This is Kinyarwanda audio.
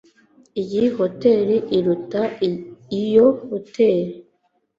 Iyi hoteri iruta iyo hoteri.